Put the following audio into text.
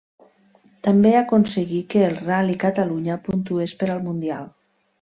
També aconseguí que el Ral·li Catalunya puntués per al Mundial.